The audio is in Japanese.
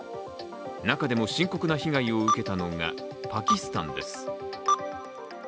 中でも深刻な被害を受けたのがパキスタンです。